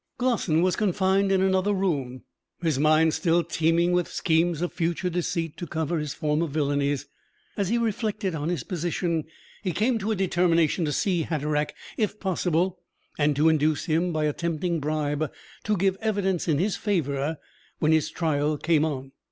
Glossin was confined in another room, his mind still teeming with schemes of future deceit to cover his former villainies. As he reflected on his position, he came to a determination to see Hatteraick, if possible, and to induce him by a tempting bribe to give evidence in his favour when his trial came on.